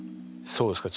そうですか。